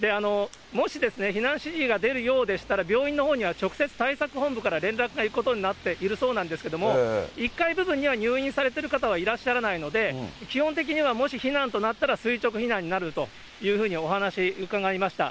もし避難指示が出るようでしたら、病院のほうには直接対策本部から連絡が行くことになっているそうなんですけれども、１階部分には入院されている方はいらっしゃらないので、基本的にはもし避難となったら垂直避難になるというふうにお話伺いました。